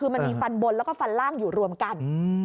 มันมีฟันบนและฝันร่างอยู่รวมกัน